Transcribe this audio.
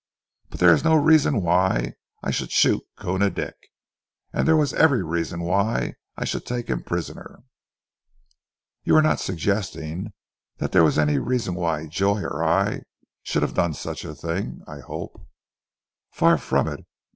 But there is no reason why I should shoot Koona Dick, and there was every reason why I should take him prisoner." "You are not suggesting that there was any reason why Joy or I should have done such a thing, I hope?" "Far from it.